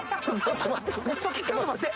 ちょっと待って。